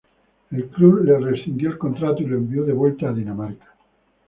El club le rescindió el contrato y lo envió de vuelta a Dinamarca.